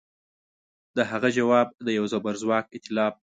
د هغه ځواب د یوه زبرځواک ایتلاف